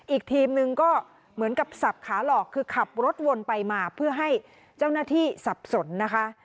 อีกทีมนึงก็เหมือนกับสับขาหลอกคือขับรถวนไปมาเพื่อให้เจ้าหน้าที่สับสนนะคะ